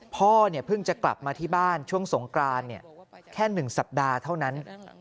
พ่อเพิ่งจะกลับมาที่บ้านช่วงสงกรานแค่๑สัปดาห์เท่านั้น